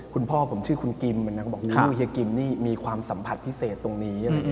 คุณพ่อผมชื่อคุณกิมก็บอกลูกเฮียกิมนี่มีความสัมผัสพิเศษตรงนี้